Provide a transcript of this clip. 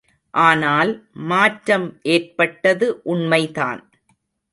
ஆனால் மாற்றம் ஏற்பட்டது உண்மை தான்.